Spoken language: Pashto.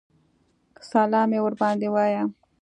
سلام یې ورباندې وایه.